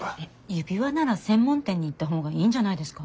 指輪なら専門店に行った方がいいんじゃないですか？